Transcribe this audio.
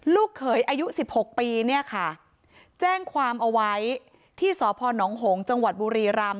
ลูกเขยอายุ๑๖ปีแจ้งความเอาไว้ที่สพหหจังหวัดบุรีรัมพ์